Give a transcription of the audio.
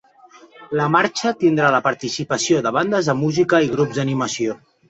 La marxa tindrà la participació de bandes de música i grups d’animació.